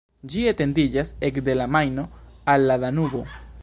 Ĝi etendiĝas ekde la Majno al la Danubo.